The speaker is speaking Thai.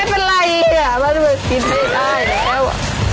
ไม่เป็นไรมันกินไม่ได้แล้ว